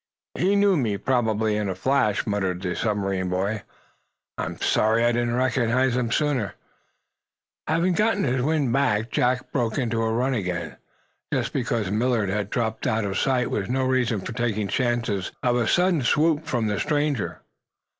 "He knew me, probably, in a flash," muttered the submarine boy. "I'm sorry I didn't recognize him sooner." Having gotten his wind back, Jack broke into a run again. Just because Millard had dropped out of sight was no reason for taking chances of a sudden swoop from the stranger.